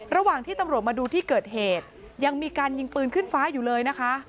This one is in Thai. ระหว่างที่ตำรวจมาดูที่เกิดเหตุยังมีการยิงปืนขึ้นฟ้าอยู่เลยนะคะ